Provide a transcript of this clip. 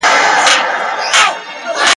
چي ورور دي وژني ته ورته خاندې !.